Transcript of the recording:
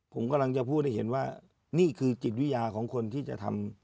ผมกำลังจะพูดให้เห็นว่านี่คือจิตวิญญาของคนที่จะทำ